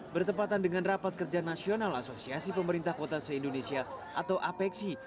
bertepatan dengan rapat kerja nasional asosiasi pemerintah kota se indonesia atau apexi